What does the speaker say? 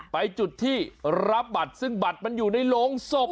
ไปจุดที่รับบัตรซึ่งบัตรมันอยู่ในโรงศพ